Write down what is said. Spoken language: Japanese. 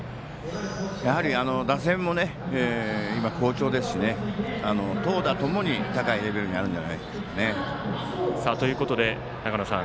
打線も好調ですし投打ともに高いレベルにあるんじゃないかですかね。ということで、長野さん